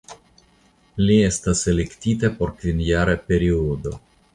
Li estas elektita por kvinjara periodo.